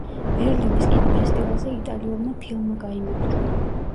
ბერლინის კინოფესტივალზე იტალიურმა ფილმმა გაიმარჯვა.